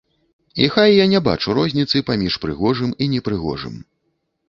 І хай я не бачу розніцы паміж прыгожым і непрыгожым.